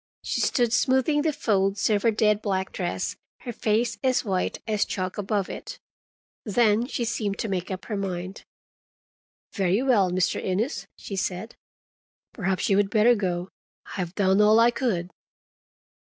She stood smoothing the folds of her dead black dress, her face as white as chalk above it. Then she seemed to make up her mind. "Very well, Mr. Innes," she said. "Perhaps you would better go. I have done all I could."